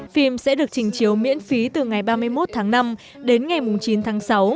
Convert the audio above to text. phim sẽ được trình chiếu miễn phí từ ngày ba mươi một tháng năm đến ngày chín tháng sáu